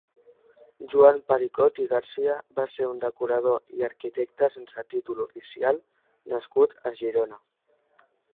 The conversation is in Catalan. Joan Pericot i Garcia va ser un decorador i arquitecte sense títol oficial nascut a Girona.